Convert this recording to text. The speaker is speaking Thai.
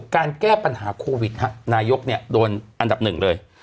การแก้ปัญหาโควิดนายกโดนอันดับหนึ่งเลย